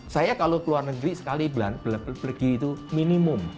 saya kalau keluar negeri sekali bulan pergi itu minimum